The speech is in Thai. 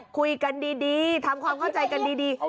คุยกันดีทำความเข้าใจกันดี